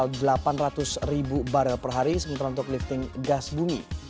rp tiga ratus barrel per hari sementara untuk lifting gas bumi